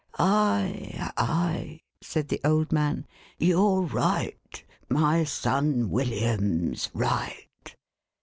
" "Ay, ay,'1 said the old man; "you're right. My son William's right